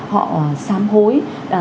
họ sám hối